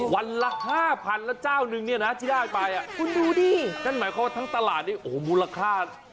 วันละ๕๐๐๐แล้วเจ้านึงเนี่ยนะที่ได้ไปจ้านหมายว่าทั้งตลาดบูรรค่า